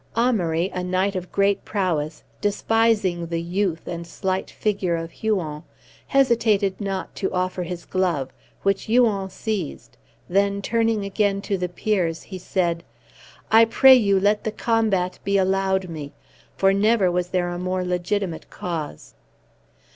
Amaury, a knight of great prowess, despising the youth and slight figure of Huon, hesitated not to offer his glove, which Huon seized; then, turning again to the peers, he said: "I pray you let the combat be allowed me, for never was there a more legitimate cause."